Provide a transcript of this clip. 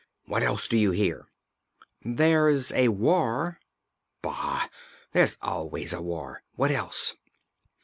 What else do you hear?' "There's a war. "Bah! there's always a war. What else?"